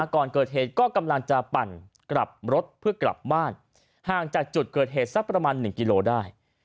ก่อนเกิดเหตุก็กำลังจะปั่นกลับรถเพื่อกลับบ้านห่างจากจุดเกิดเหตุสักประมาณ๑กิโลได้